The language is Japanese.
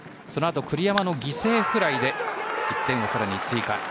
そのあと栗山の犠牲フライで１点を更に追加。